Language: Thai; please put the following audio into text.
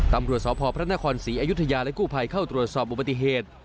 ตำรวจสพพระนครศรีอยุธยาและกู้ภัยเข้าตรวจสอบอุบัติเหตุ